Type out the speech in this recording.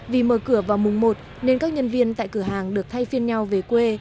vì mở cửa vào mùng một nên các nhân viên tại cửa hàng được thay phiên nhau về quê